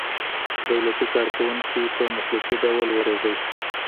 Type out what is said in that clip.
دولتي کارکوونکي په مسلکي ډول وروزل شي.